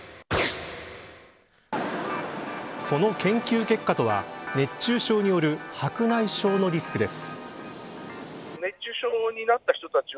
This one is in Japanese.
その研究結果とは熱中症による白内障のリスクです。